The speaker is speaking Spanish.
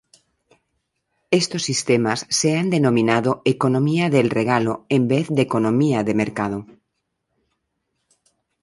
Estos sistemas se han denominado economía del regalo en vez de economía de mercado.